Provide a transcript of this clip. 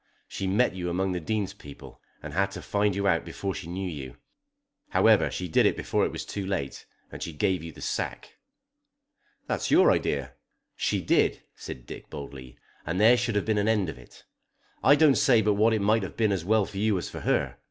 She met you among the Dean's people, and had to find you out before she knew you. However she did before it was too late, and she gave you the sack." "That's your idea." "She did," said Dick boldly. "And there should have been an end of it. I don't say but what it might have been as well for you as for her.